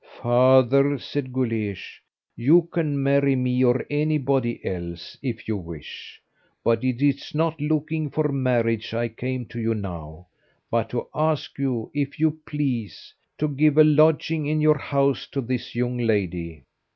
"Father," said Guleesh, "you can marry me, or anybody else, if you wish; but it's not looking for marriage I came to you now, but to ask you, if you please, to give a lodging in your house to this young lady."